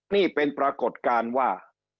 นี่เป็นปรากฏการณ์ว่า